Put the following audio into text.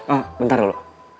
ah bentar dulu